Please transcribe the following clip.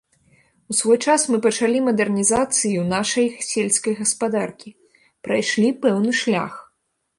У свой час мы пачалі мадэрнізацыю нашай сельскай гаспадаркі, прайшлі пэўны шлях.